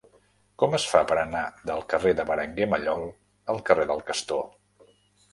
Com es fa per anar del carrer de Berenguer Mallol al carrer del Castor?